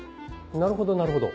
なるほどなるほど。